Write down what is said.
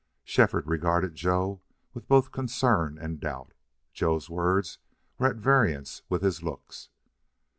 Shefford regarded Joe with both concern and doubt. Joe's words were at variance with his looks.